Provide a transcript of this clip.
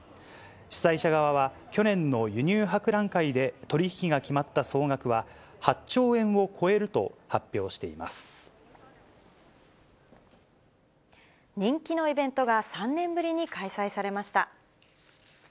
主催者側は、去年の輸入博覧会で取り引きが決まった総額は、８兆円を超えると人気のイベントが３年ぶりに開催されました。